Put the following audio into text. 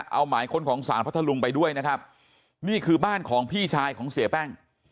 เอาหมายค้นของสารพัทธลุงไปด้วยนะครับนี่คือบ้านของพี่ชายของเสียแป้ง